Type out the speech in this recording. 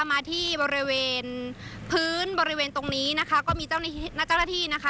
มาที่บริเวณพื้นบริเวณตรงนี้นะคะก็มีเจ้าหน้าที่ณเจ้าหน้าที่นะคะ